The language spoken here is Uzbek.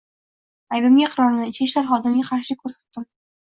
«Aybimga iqrorman, ichki ishlar xodimiga qarshilik ko‘rsatdim»